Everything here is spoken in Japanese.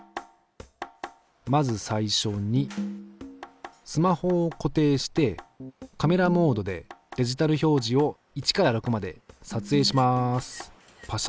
まず最初にスマホを固定してカメラモードでデジタル表示を１から６まで撮影します。